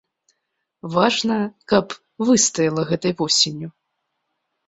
Важна, каб выстаяла гэтай восенню.